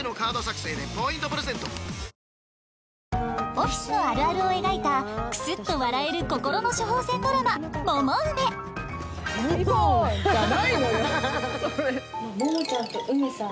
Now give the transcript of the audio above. オフィスのあるあるを描いたクスっと笑える心の処方箋ドラマモモちゃんとウメさん